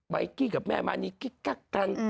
ยกกี้กับแม่มานีกิ๊กกักกัน